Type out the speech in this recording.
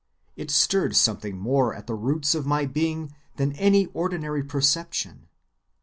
It stirred something more at the roots of my being than any ordinary perception.